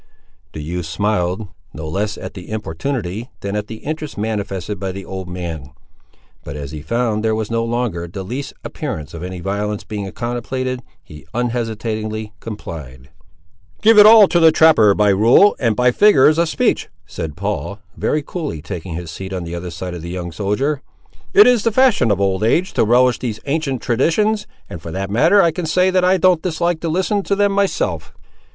The youth smiled, no less at the importunity than at the interest manifested by the old man; but as he found there was no longer the least appearance of any violence being contemplated, he unhesitatingly complied. "Give it all to the trapper by rule, and by figures of speech," said Paul, very coolly taking his seat on the other side of the young soldier. "It is the fashion of old age to relish these ancient traditions, and, for that matter, I can say that I don't dislike to listen to them myself."